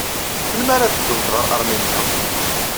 Melmi ara teddumt ɣer Aṛminya?